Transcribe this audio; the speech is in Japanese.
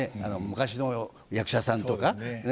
昔の役者さんとかね。